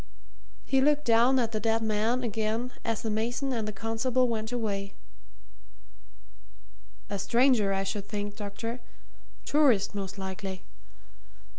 He looked down at the dead man again as the mason and the constable went away. "A stranger, I should think, doctor tourist, most likely.